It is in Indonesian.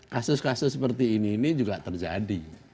kasus kasus seperti ini ini juga terjadi